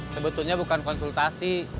sebetulnya bukan konsultasi